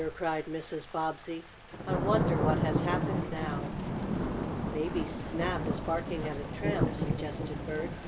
cried Mrs. Bobbsey, "I wonder what has happened now!" "Maybe Snap is barking at a tramp," suggested Bert.